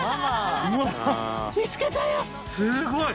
すごい！